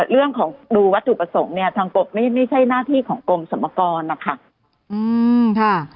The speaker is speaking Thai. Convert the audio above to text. เรื่องของดูวัตถุประสงค์เนี่ยทางกรมไม่ใช่หน้าที่ของกรมสรรพากรนะคะ